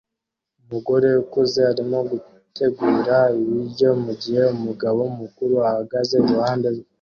Umugore ukuze arimo gutegura ibiryo mugihe umugabo mukuru ahagaze iruhande rwe